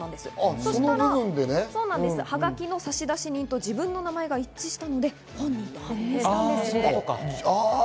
そしたらハガキの差出人と自分の名前が一致したので本人と判明したそうです。